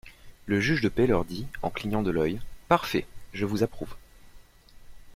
Le juge de paix leur dit, en clignant de l'oeil :, Parfait ! je vous approuve.